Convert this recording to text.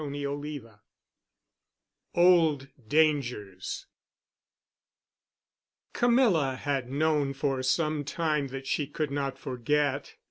*CHAPTER XVI* *OLD DANGERS* Camilla had known for some time that she could not forget.